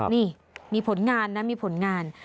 นี่มีผลงานนะมีผลงาน